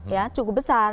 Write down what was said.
ya cukup besar